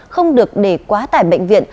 không được để quá tải bệnh viện